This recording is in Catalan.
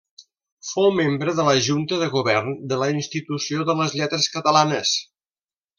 Fou membre de la junta de govern de la Institució de les Lletres Catalanes.